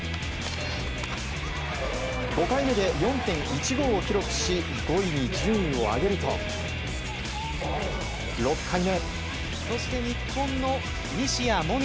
５回目で４．１５を記録し５位に順位を上げると６回目。